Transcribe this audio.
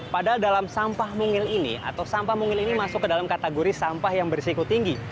padahal dalam sampah mungil ini atau sampah mungil ini masuk ke dalam kategori sampah yang berisiko tinggi